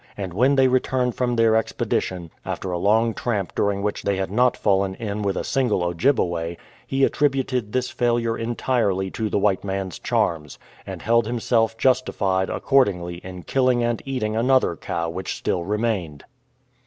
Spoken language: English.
And when they returned from their expedition, after a long tramp during which they had not fallen in with a single Ojjibeway, he attributed this failure entirely to the white man's charms, and held himself justified accordingly in killing and eating another cow which still remained.